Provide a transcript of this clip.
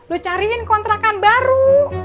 lu cariin kontrakan baru